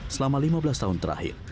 selama lima belas tahun terakhir